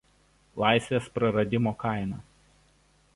Laisvės praradimo kaina.